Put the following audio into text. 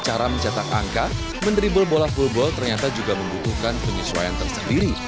cara mencetak angka meneribol bola full ball ternyata juga membutuhkan penyesuaian tersendiri